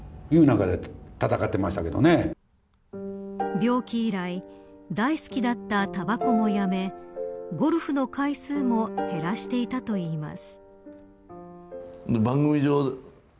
病気以来大好きだったタバコもやめゴルフの回数も減らしていたといいます。